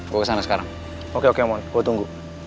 gue kesana sekarang